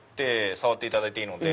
触っていただいていいので。